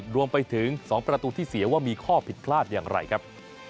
รวมไปถึง๒ประตูที่เสียว่ามีข้อผิดพลาดอย่างไรครับ